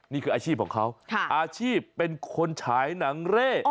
นี่คืออาชีพของเขาอาชีพเป็นคนฉายหนังเร่